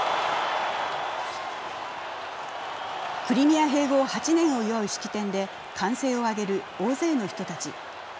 クリミア併合８年を祝う式典で歓声を上げる大勢の人たち。